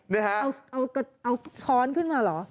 นี่ฮะเอาช้อนขึ้นมาเหรอ